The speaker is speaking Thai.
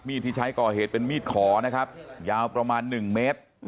ที่ใช้ก่อเหตุเป็นมีดขอนะครับยาวประมาณ๑เมตร